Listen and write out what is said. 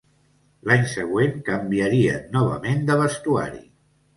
L’any següent canviarien novament de vestuari.